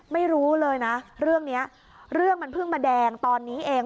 ไม่รู้เลยนะเรื่องนี้เรื่องมันเพิ่งมาแดงตอนนี้เอง